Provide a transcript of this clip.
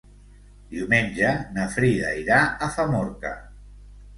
Diumenge na Frida irà a Famorca.